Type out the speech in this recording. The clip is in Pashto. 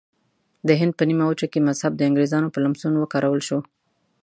د هند په نیمه وچه کې مذهب د انګریزانو په لمسون وکارول شو.